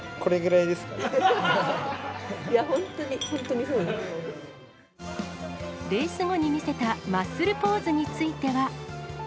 いや本当に、レース後に見せたマッスルポーズについては。